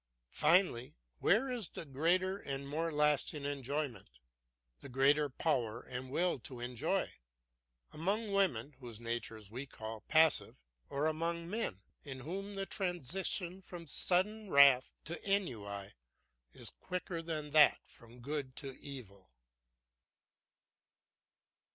Finally, where is the greater and more lasting enjoyment, the greater power and will to enjoy? Among women, whose nature we call passive, or among men, in whom the transition from sudden wrath to ennui is quicker than that from good to evil?